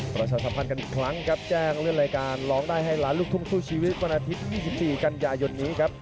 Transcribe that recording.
ประชาสัมพันธ์กันอีกครั้งครับแจ้งเลื่อนรายการร้องได้ให้ล้านลูกทุ่งสู้ชีวิตวันอาทิตย์๒๔กันยายนนี้ครับ